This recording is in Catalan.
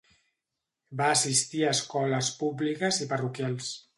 Va assistir a escoles públiques i parroquials.